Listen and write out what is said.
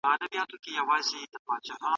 مهربان استاد زده کوونکو ته د صحي ژوند اصول ښووي.